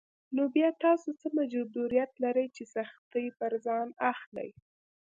نو بيا تاسو څه مجبوريت لرئ چې سختۍ پر ځان اخلئ.